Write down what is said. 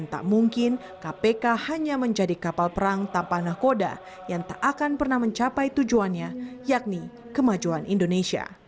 dan tak mungkin kpk hanya menjadi kapal perang tanpa aneh koda yang tak akan pernah mencapai tujuannya yakni kemajuan indonesia